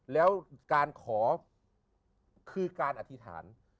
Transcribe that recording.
แล้วการขอคือการอธิษฐาน